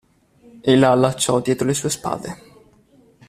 E la allacciò dietro le sue spade.